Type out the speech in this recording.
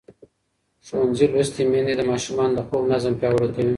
ښوونځې لوستې میندې د ماشومانو د خوب نظم پیاوړی کوي.